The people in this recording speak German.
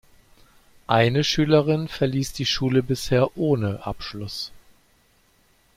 Eine Schülerin verließ die Schule bisher ohne Abschluss.